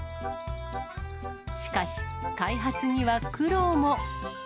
しかし、開発には苦労も。